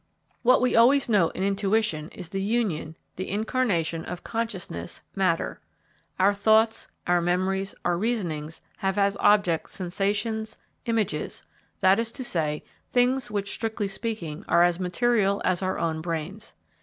What we always note in intuition is the union, the incarnation of consciousness matter. Our thoughts, our memories, our reasonings have as object sensations, images that is to say, things which, strictly speaking, are as material as our own brains.